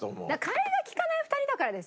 替えが利かない２人だからですよ。